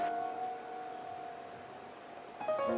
ที่ได้เงินเพื่อจะเก็บเงินมาสร้างบ้านให้ดีกว่า